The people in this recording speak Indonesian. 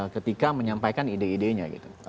ketika menyampaikan ide idenya gitu